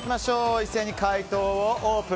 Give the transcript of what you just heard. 一斉に解答をオープン。